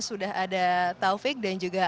sudah ada taufik dan juga